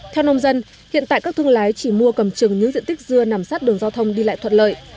theo nông dân hiện tại các thương lái chỉ mua cầm chừng những diện tích dưa nằm sát đường giao thông đi lại thuận lợi